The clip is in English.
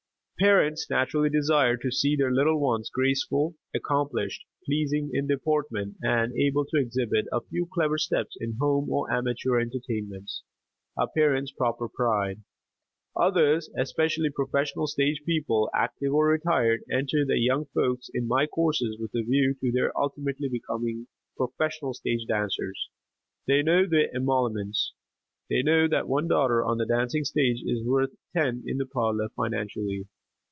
Parents naturally desire to see their little ones graceful, accomplished, pleasing in deportment, and able to exhibit a few clever steps in home or amateur entertainments a parent's proper pride. Others, especially professional stage people, active or retired, enter their young folks in my courses with a view to their ultimately becoming professional stage dancers. They know the emoluments. They know that one daughter on the dancing stage is worth ten in the parlor financially.